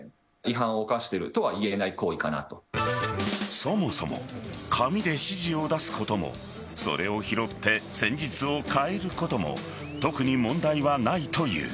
そもそも紙で指示を出すこともそれを拾って戦術を変えることも特に問題はないという。